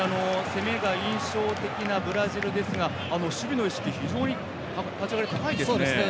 攻めが印象的なブラジルですが、守備の意識非常に立ち上がり高いですね。